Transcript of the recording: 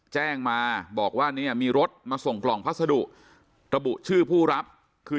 แจ้งมาบอกว่าเนี่ยมีรถมาส่งกล่องพัสดุระบุชื่อผู้รับคือ